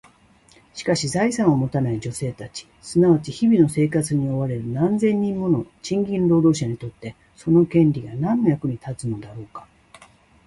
しかし、財産を持たない女性たち、すなわち日々の生活に追われる何千人もの賃金労働者にとって、その権利が何の役に立つのだろうか？